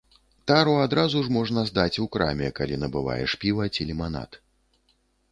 Тару адразу ж можна здаць у краме, калі набываеш піва ці ліманад.